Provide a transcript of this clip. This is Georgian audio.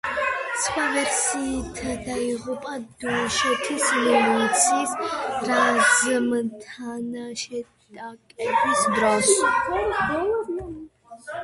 სხვა ვერსიით დაიღუპა დუშეთის მილიციის რაზმთან შეტაკების დროს.